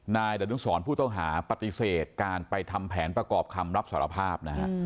นายดนุสรผู้ต้องหาปฏิเสธการไปทำแผนประกอบคำรับสารภาพนะฮะ